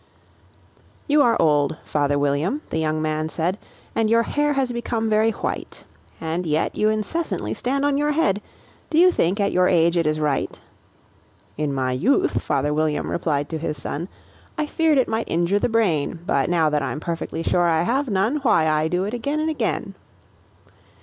"YOU are old, father William," the young man said, "And your hair has become very white; And yet you incessantly stand on your head Do you think, at your age, it is right? "In my youth," father William replied to his son, "I feared it might injure the brain; But, now that I'm perfectly sure I have none, Why, I do it again and again."